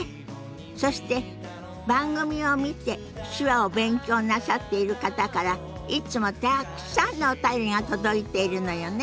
そして番組を見て手話を勉強なさっている方からいつもたくさんのお便りが届いているのよね？